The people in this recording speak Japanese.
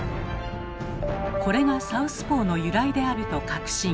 これが「サウスポー」の由来であると確信。